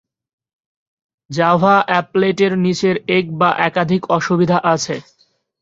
Java অ্যাপলেট-এর নিচের এক বা একাধিক অসুবিধা আছে।